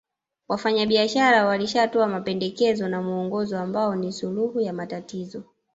Wafanyabiashara walishatoa mapendekezo na muongozo ambao ni suluhu ya matatizo